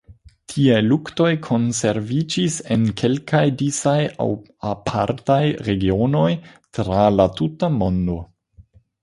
Tiaj luktoj konserviĝis en kelkaj disaj aŭ apartaj regionoj tra la tuta mondo.